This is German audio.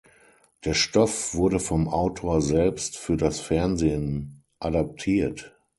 Der Stoff wurde vom Autor selbst für das Fernsehen adaptiert.